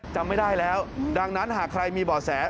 จำไม่ได้แล้วดังนั้นหากใครมีบ่อแส